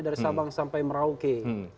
dari sabang sampai merauke